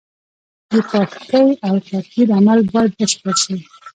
د پاکۍ او تطهير عمل بايد بشپړ شي.